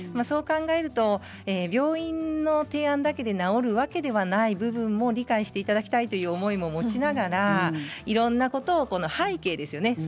そう考えると病院の提案だけで治るわけではない部分も理解していただきたいという思いも持ちながらいろんなことを、背景ですよね